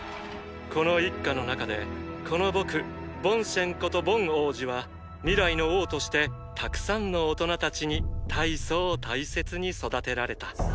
この一家の中でこの僕ボンシェンことボン王子は未来の王としてたくさんの大人たちに大層大切に育てられた！！